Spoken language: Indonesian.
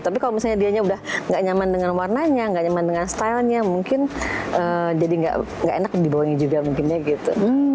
tapi kalau misalnya dianya udah gak nyaman dengan warnanya nggak nyaman dengan stylenya mungkin jadi nggak enak dibawanya juga mungkin ya gitu